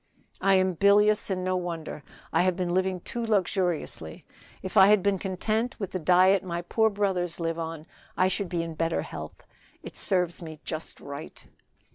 "I am bilious, and no wonder. I have been living too luxuriously; if I had been content with the diet my poor brothers live on, I should be in better health. It serves me just right."